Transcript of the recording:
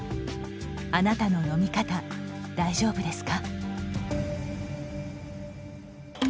あなたの飲み方、大丈夫ですか？